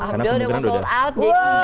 karena abdul udah mau sold out